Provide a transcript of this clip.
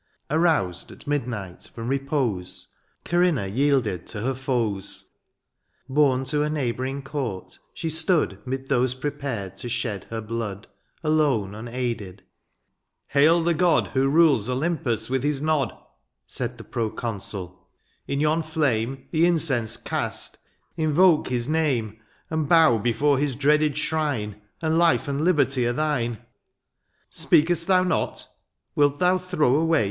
Aroused, at midnight, from repose, Corinna yielded to her foes. Borne to a neighbouring court, she stood ^Mid those prepared to shed her blood. Alone, unaided. ^^ Hail the god ^^ Who rules Olympus with his nod ;^* Said the proconsul^ ^^in yon flame ^^The incense cast, invoke his name, ^^ And bow before his dreaded shrine. And life and liberty are thine. Speak^st thou not ? Wilt thou throw away.